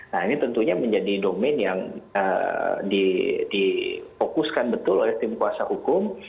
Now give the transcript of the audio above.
nah ini tentunya menjadi domain yang difokuskan betul oleh tim kuasa hukum